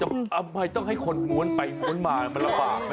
อ้าวมายต้องให้คนม้วนไปม้วนมามันระบาก